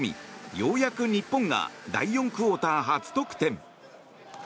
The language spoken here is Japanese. ようやく日本が第４クオーター初得点。